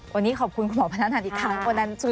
วันนี้ขอบคุณคุณหมอพนันทันอีกครั้ง